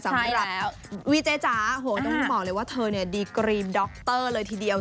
สำหรับวีเจจ๋าโอ้โหต้องบอกเลยว่าเธอเนี่ยดีกรีมด็อกเตอร์เลยทีเดียว